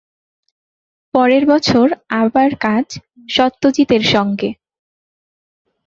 পরের বছর আবার কাজ সত্যজিতের সঙ্গে।